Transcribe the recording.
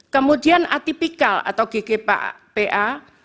kemudian atipikal atau ggpa